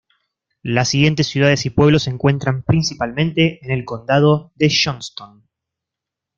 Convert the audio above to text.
Las siguientes ciudades y pueblos se encuentran principalmente en el Condado de Johnston.